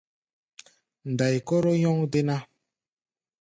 Ndai-kóro nyɔ́ŋ déná.